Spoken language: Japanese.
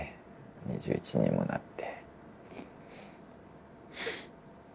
２１にもなって。